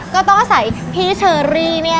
ก็ต้องอาศัยพี่เชอรี่เนี่ย